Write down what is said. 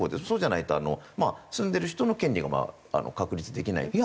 そうじゃないと住んでる人の権利が確立できない。